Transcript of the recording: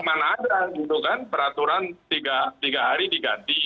mana ada gitu kan peraturan tiga hari diganti